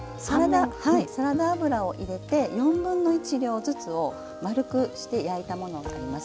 サラダ油を入れて４分の１量ずつを丸くして焼いたものになります。